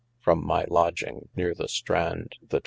From my lodging nere the Strande the xx.